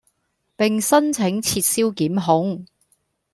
並申請撤銷檢控